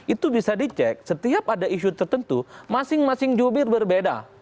itu bisa dicek setiap ada isu tertentu masing masing jubir berbeda